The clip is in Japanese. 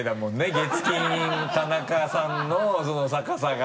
月金田中さんのその逆さが。